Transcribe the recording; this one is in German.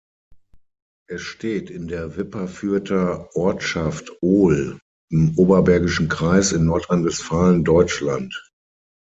Es steht in der Wipperfürther Ortschaft Ohl im Oberbergischen Kreis in Nordrhein-Westfalen, Deutschland.